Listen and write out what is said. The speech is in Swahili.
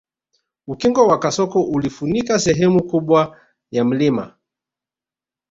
Ukingo wa kasoko ulifunika sehemu kubwa ya mlima